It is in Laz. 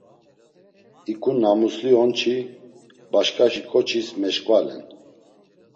Hik̆u namusli on-çi başk̆aşi k̆oçis meşk̆valen.